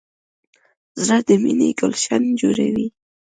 زړه د مینې ګلشن جوړوي.